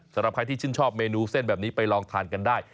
สำหรับใครที่ชื่นชอบเมนูเส้นแบบนี้ไปลองทานกันได้